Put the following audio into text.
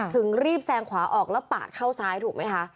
ถึงรีบแซงขวาออกแล้วปาดเข้าซ้ายถูกไหมคะ